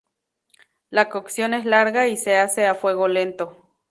La cocción es larga y se hace a fuego lento.